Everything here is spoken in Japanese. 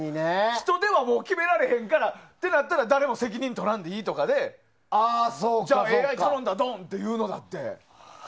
人では決められへんからってなったら誰も責任取らんでいいってなってじゃあ、ＡＩ頼んだ、どん！っていうのも。